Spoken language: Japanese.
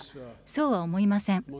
そうは思いません。